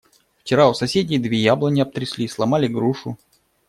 Вчера у соседей две яблони обтрясли, сломали грушу.